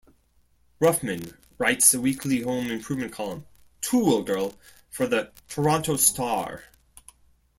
Ruffman writes a weekly home improvement column, "ToolGirl", for the "Toronto Star".